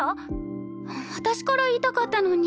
私から言いたかったのに。